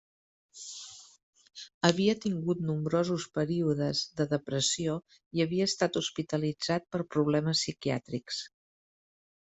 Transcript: Havia tingut nombrosos períodes de depressió i havia estat hospitalitzat per problemes psiquiàtrics.